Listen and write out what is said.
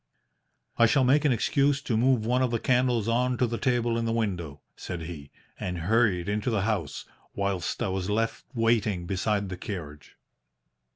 "'I shall make an excuse to move one of the candles on to the table in the window,' said he, and hurried into the house, whilst I was left waiting beside the carriage.